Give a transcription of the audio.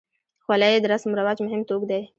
خولۍ د رسم و رواج مهم توک دی.